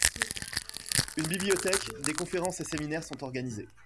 Une bibliothèque, des conférences et séminaires sont organisés.